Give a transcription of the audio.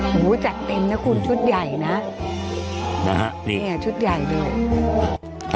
หูจัดเต็มนะคุณชุดใหญ่นะนะฮะนี่ชุดใหญ่เลย